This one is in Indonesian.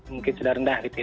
mungkin sudah rendah gitu ya